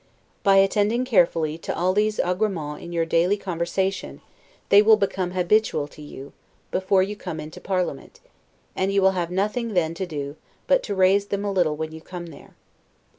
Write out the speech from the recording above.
By attending carefully to all these agremens in your daily conversation, they will become habitual to you, before you come into parliament; and you will have nothing then, to do, but to raise them a little when you come there.